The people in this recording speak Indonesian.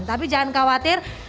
tapi jangan khawatir